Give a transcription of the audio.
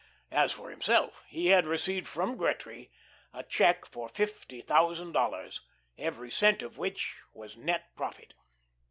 As for himself, he had received from Gretry a check for fifty thousand dollars, every cent of which was net profit.